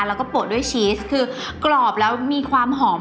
แล้วก็โปะด้วยชีสคือกรอบแล้วมีความหอม